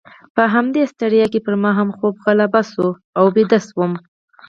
په همدې ستړیا کې پر ما هم خوب غالبه شو او بیده شوم.